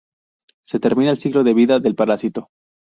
Se termina el ciclo de vida del parásito.